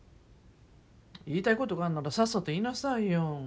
言いたいことがあんならさっさと言いなさいよ。